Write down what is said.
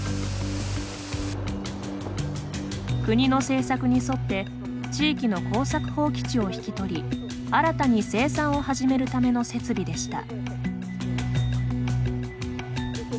国の政策に沿って地域の耕作放棄地を引き取り新たに生産を始めるための設備でした。